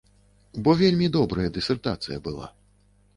Бо вельмі добрая дысертацыя была.